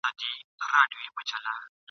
چي پیدا کړی خالق انسان دی !.